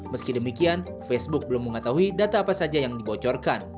meski demikian facebook belum mengetahui data apa saja yang dibocorkan